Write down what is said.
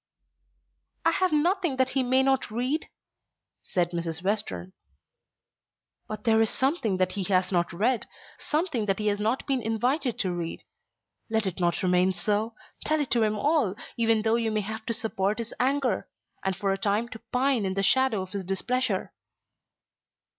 "I have nothing that he may not read," said Mrs. Western. "But there is something that he has not read, something that he has not been invited to read. Let it not remain so. Tell it to him all even though you may have to support his anger, and for a time to pine in the shadow of his displeasure."